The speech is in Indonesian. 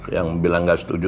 yang bilang gak setuju